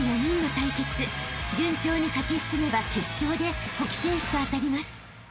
［順調に勝ち進めば決勝で甫木選手と当たります］